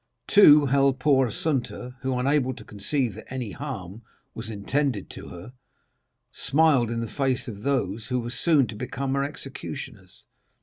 Two held poor Assunta, who, unable to conceive that any harm was intended to her, smiled in the face of those who were soon to become her executioners.